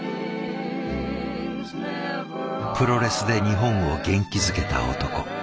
プロレスで日本を元気づけた男。